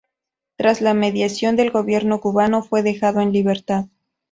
Tras la mediación del gobierno cubano fue dejado en libertad.